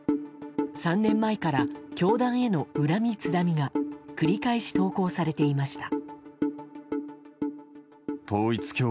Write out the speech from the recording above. ３年前から教団への恨みつらみが繰り返し投稿されていました。